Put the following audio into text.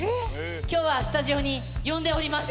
今日はスタジオに呼んでおります。